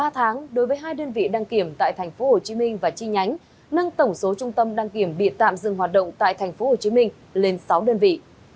ba tháng đối với hai đơn vị đăng kiểm tại tp hcm và chi nhánh nâng tổng số trung tâm đăng kiểm bị tạm dừng hoạt động tại tp hcm lên sáu đơn vị